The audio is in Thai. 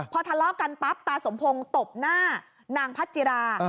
พอทะเลาะกันปั๊บตาสมพงศ์ตบหน้านางพัจจิรา